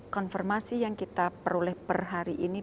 konfirmasi yang kita peroleh per hari ini